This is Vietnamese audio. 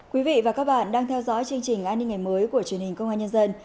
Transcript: quý vị và các bạn đang theo dõi chương trình an ninh ngày mới của truyền hình công an nhân dân